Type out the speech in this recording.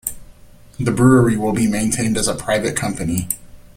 The brewery will be maintained as a private company.